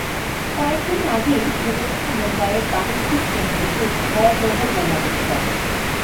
কয়েক দিন আগেই ঘটে গেছে মুম্বাইয়ের বাণিজ্যকেন্দ্রে সেই ভয়াবহ বোমা বিস্ফোরণ।